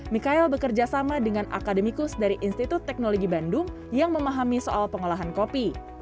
mikael bekerja sama dengan akademikus dari institut teknologi bandung yang memahami soal pengolahan kopi